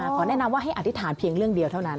ขอแนะนำว่าให้อธิษฐานเพียงเรื่องเดียวเท่านั้น